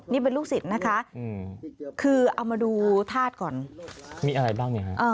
นี่เป็นลูกศิษย์นะคะคือเอามาดูธาตุก่อนมีอะไรบ้างเนี่ยฮะ